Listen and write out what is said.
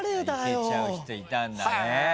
いけちゃう人いたんだね。